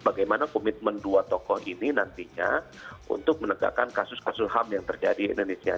bagaimana komitmen dua tokoh ini nantinya untuk menegakkan kasus kasus ham yang terjadi di indonesia